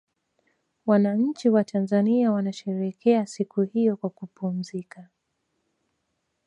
wananchi watanzania wanasherekea siku hiyo kwa kupumzika